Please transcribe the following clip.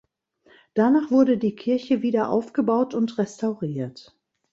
Danach wurde die Kirche wieder aufgebaut und restauriert.